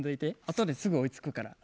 後ですぐ追いつくから。